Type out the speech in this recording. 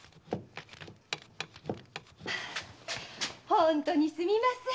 本当にすみません。